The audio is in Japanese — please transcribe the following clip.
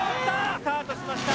スタートしました。